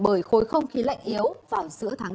bởi khối không khí lạnh yếu vào giữa tháng bốn